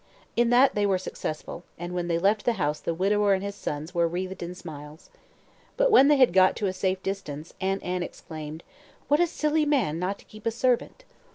In that they were successful, and when they left the house the widower and his sons were wreathed in smiles. But when they had got to a safe distance Aunt Anne exclaimed, "What a silly man not to keep a servant!"